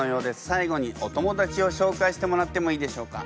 最後にお友達をしょうかいしてもらってもいいでしょうか？